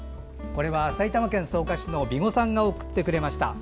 埼玉県草加市のびごさんが送ってくれました。